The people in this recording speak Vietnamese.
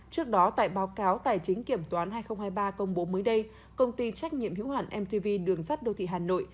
trước đó tại báo cáo tài chính kiểm toán hai nghìn hai mươi ba công bố mới đây công ty trách nhiệm hữu hạn mtv đường sắt đô thị hà nội